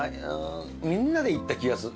みんなで行った気がする。